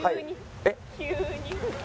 えっ？